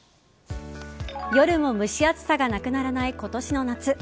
夜も蒸し暑さがなくならない今年の夏。